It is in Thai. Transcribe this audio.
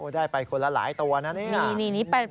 ได้ไปคนละหลายตัวนะนี่